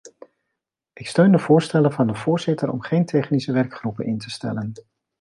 Ik steun de voorstellen van de voorzitter om geen technische werkgroepen in te stellen.